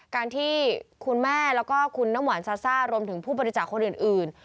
การที่คุณแม่แล้วก็คุณน้ำหวานซาซ่ารวมถึงผู้บริจาคคนอื่น